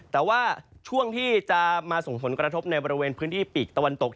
แต่ว่าช่วงที่จะมาส่งผลกระทบในบริเวณพื้นที่ปีกตะวันตก